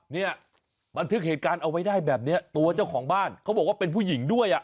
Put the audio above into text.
เนี่ยบันทึกเหตุการณ์เอาไว้ได้แบบนี้ตัวเจ้าของบ้านเขาบอกว่าเป็นผู้หญิงด้วยอ่ะ